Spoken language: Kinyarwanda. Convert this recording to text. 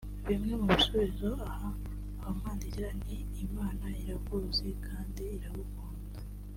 bimwe mu bisubizo aha abamwandikira ni “Imana irakuzi kandi iragukunda